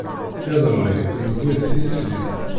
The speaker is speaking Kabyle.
Iḍelli, newwi-d tislit.